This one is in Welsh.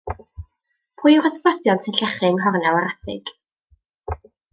Pwy yw'r ysbrydion sy'n llechu yng nghornel yr atig?